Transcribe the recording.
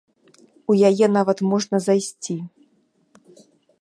У яе нават можна зайсці.